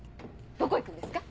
どこ行くんですか？